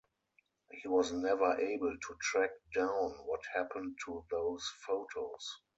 He was never able to track down what happened to those photos.